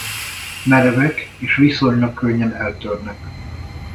Merevek és viszonylag könnyen eltörnek.